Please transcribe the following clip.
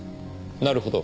なるほど。